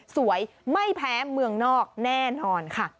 สวยไม่แพ้เมืองนอกแน่นอนค่ะ